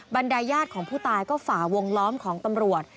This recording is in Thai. บรรดายญาติของผู้ตายก็ฝ่าวงล้อมของตำรวจ